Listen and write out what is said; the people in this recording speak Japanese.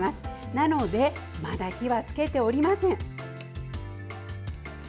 なのでまだ火はつけておりません。